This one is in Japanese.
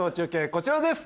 こちらです